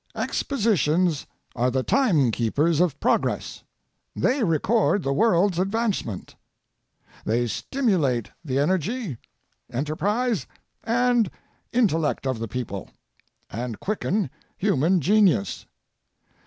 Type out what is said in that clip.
Expositions are the timekeepers of progress. They record the world's advancement. They stimulate the energy, enterprise, and intellect of the people, and quicken human genius.